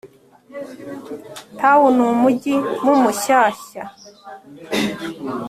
Tawu ni umugi mumushyahsya